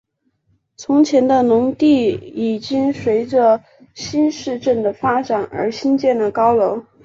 从前的农地已经随着新市镇的发展而兴建了高楼。